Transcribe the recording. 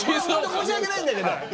申し訳ないんだけど。